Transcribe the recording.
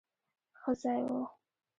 ښه ځای وو.